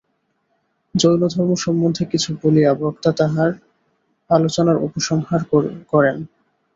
জৈনধর্ম সম্বন্ধে কিছু বলিয়া বক্তা তাঁহার আলোচনার উপসংহার করেন।